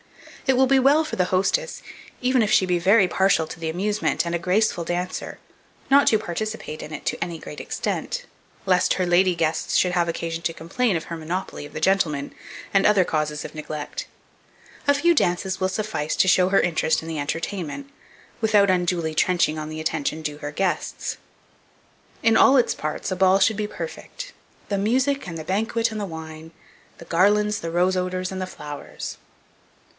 It will be well for the hostess, even if she be very partial to the amusement, and a graceful dancer, not to participate in it to any great extent, lest her lady guests should have occasion to complain of her monopoly of the gentlemen, and other causes of neglect. A few dances will suffice to show her interest in the entertainment, without unduly trenching on the attention due to her guests. In all its parts a ball should be perfect, "The music, and the banquet, and the wine; The garlands, the rose odours, and the flowers."